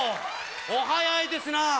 お早いですな。